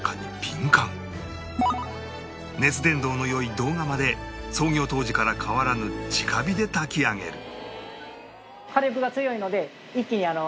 熱伝導の良い銅釜で創業当時から変わらぬ直火で炊き上げる